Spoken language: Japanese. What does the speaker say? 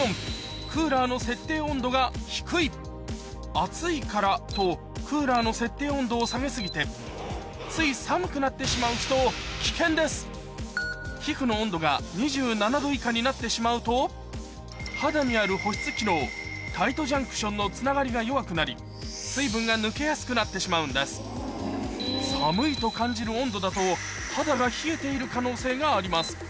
暑いからとクーラーの設定温度を下げ過ぎてつい寒くなってしまう人皮膚の温度が２７℃以下になってしまうと肌にあるのつながりが弱くなり水分が抜けやすくなってしまうんです寒いと感じる温度だと肌が冷えている可能性があります